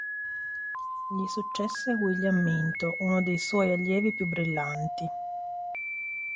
Gli successe William Minto, uno dei suoi allievi più brillanti.